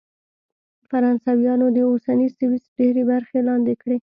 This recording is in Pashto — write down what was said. فرانسویانو د اوسني سویس ډېرې برخې لاندې کړې.